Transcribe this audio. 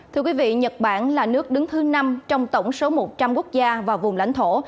thưa quý vị nhật bản là nước đứng thứ năm trong tổng số một trăm linh quốc gia và vùng lãnh thổ